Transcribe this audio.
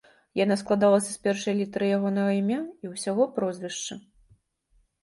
Яна складалася з першай літары ягонага імя і ўсяго прозвішча.